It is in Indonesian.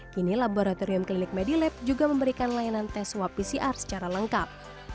kini laboratorium klinik medilab juga memberikan layanan tes swab pcr secara lengkap